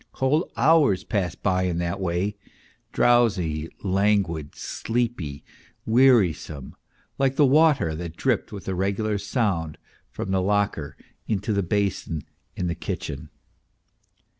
Whole hours passed by in that way, drowsy, languid, sleepy, wearisome, like the water that dripped with a regular sound from the locker into the basin in the kitchen.